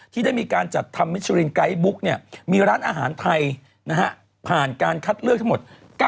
ที่ได้มีการจัดทำมิชลินไกด์บุ๊กมีร้านอาหารไทยผ่านการคัดเลือกทั้งหมด